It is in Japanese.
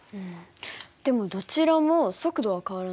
でもどちらも速度は変わらない。